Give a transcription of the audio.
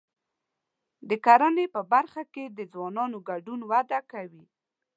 د کرنې په برخه کې د ځوانانو ګډون وده کوي.